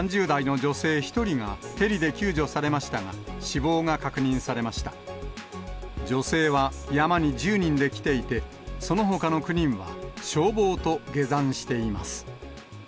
女性は山に１０人で来ていて、そのほかの９人は消防と下山しています。